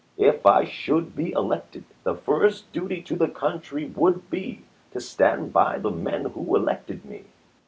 If I should be elected, the first duty to the country would be to stand by the men who elected me."